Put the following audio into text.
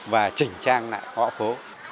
và chỉnh trang lại gõ phố